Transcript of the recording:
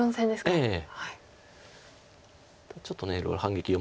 ええ。